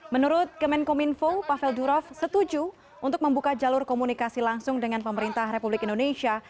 menurut kemenkominfo pavel durov setuju untuk membuka jalur komunikasi langsung dengan pemerintah republik indonesia